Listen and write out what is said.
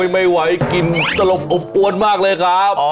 ไม่ไหวกินตลบอบอวนมากเลยครับ